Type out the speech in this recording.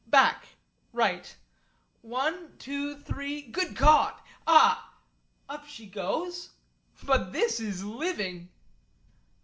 "Back right. One two three good God! Ah! Up she goes! But this is living!"